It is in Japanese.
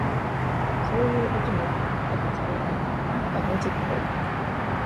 そういう音には、全く聞こえない。なんかノイズっぽい。